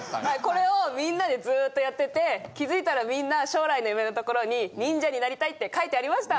これをみんなでずっとやってて気付いたらみんな将来の夢のところに。って書いてありました！